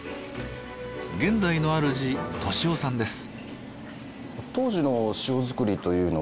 現在のあるじ敏夫さんです。